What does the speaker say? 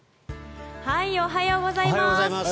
おはようございます。